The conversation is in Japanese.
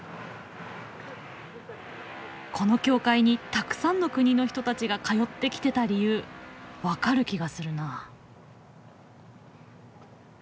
この教会にたくさんの国の人たちが通ってきてた理由分かる気がするな。